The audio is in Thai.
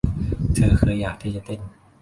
เธอเคยอยากที่จะเต้น